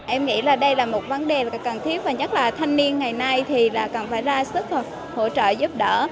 em nghĩ là đây là một vấn đề cần thiết và nhất là thanh niên ngày nay thì là cần phải ra sức hỗ trợ giúp đỡ